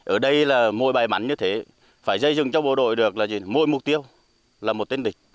ở đây là mỗi bài bắn như thế phải dây dựng cho bộ đội được là mỗi mục tiêu là một tên địch